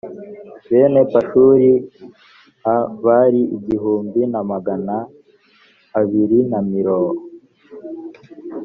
bene pashuri a bari igihumbi na magana abiri na miro